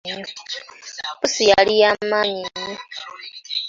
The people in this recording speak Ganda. Pussi yali ya maanyi nnyo.